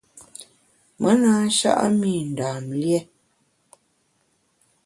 Me na sha’a mi Ndam lié.